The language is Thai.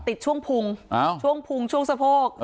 ติดช่วงพุงช่วงพุงช่วงสะโพก